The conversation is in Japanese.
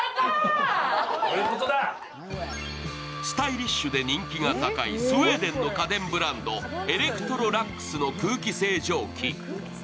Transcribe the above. スタイリッシュで人気が高いスウェーデンの電気ブランド、エレクトロラックスの空気清浄機。